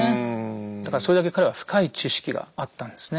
だからそれだけ彼は深い知識があったんですね。